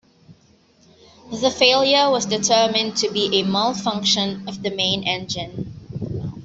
The failure was determined to be a malfunction of the main engine.